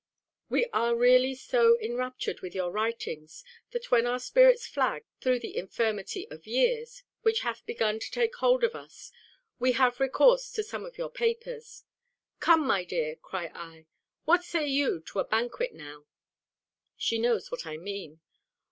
We are really so enraptured with your writings, that when our spirits flag, through the infirmity of years, which hath begun to take hold of us, we have recourse to some of your papers: "Come, my dear," cry I, "what say you to a banquet now?" She knows what I mean.